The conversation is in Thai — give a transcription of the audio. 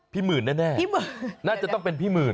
พี่หมื่นน่ะแน่น่าจะต้องเป็นพี่หมื่น